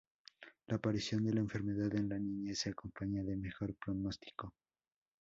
La aparición de la enfermedad en la niñez se acompaña de mejor pronóstico.